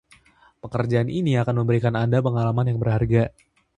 Pekerjaan ini akan memberikan Anda pengalaman yang berharga.